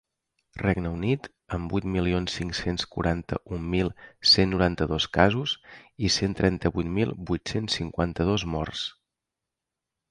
Regne Unit, amb vuit milions cinc-cents quaranta-un mil cent noranta-dos casos i cent trenta-vuit mil vuit-cents cinquanta-dos morts.